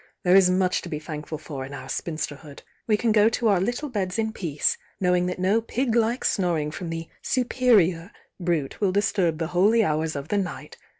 — there is much to be thankful for in our spinsterhood,— we can go to our little beds in peace, knowing that no pig like snoring from the superior brute will disturb the holy hours of the night!